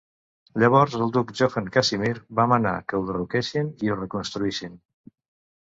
Llavors, el duc Johann Casimir va manar que ho derroquessin i ho reconstruïssin.